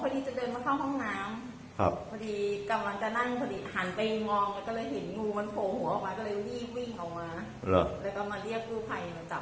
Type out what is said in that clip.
ก็เลยรีบวิ่งออกมาเลยก็มาเรียกกลูไพรมาจับให้เอาค่ะ